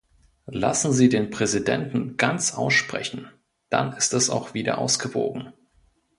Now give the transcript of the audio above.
Lassen Sie den Präsidenten ganz aussprechen, dann ist es auch wieder ausgewogen.